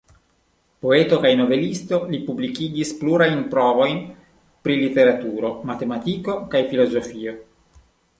Poeto kaj novelisto, li publikigis plurajn provojn pri literaturo, matematiko kaj filozofio.